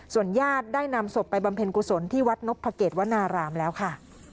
ญาติได้นำศพไปบำเพ็ญกุศลที่วัดนพเกตวนารามแล้วค่ะ